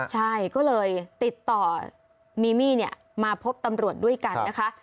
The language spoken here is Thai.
ใช่ก็เลยติดต่อมีมี่มาพบตำรวจด้วยกันนะคะ